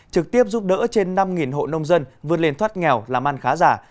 trực tiếp giúp đỡ trên năm hộ nông dân vươn lên thoát nghèo làm ăn khá giả